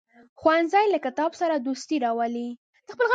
ښوونځی له کتاب سره دوستي راولي